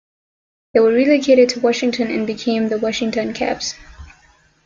They were relocated to Washington and became the Washington Caps.